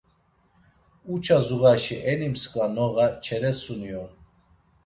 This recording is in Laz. Uçazuğaşi eni msǩva noğa Ç̌eresuni on.